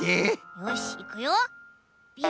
よしいくよ。